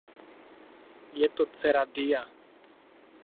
Je to dcera Dia.